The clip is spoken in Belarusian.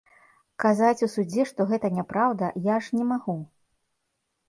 Казаць у судзе, што гэта няпраўда, я ж не магу!